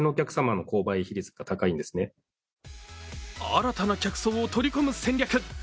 新たな客層を取り込む戦略。